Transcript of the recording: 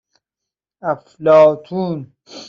افلاطون